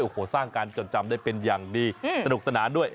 โอ้โหสร้างการจดจำได้เป็นอย่างดีสนุกสนานด้วย